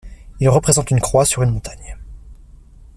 Il représente une croix sur une montagne.